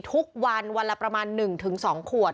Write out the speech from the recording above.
ทุกวันวันละประมาณ๑๒ขวด